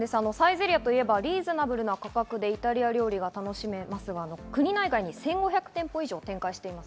リーズナブルな価格でイタリア料理が楽しめますが、国内外に１５００店舗以上、展開しています。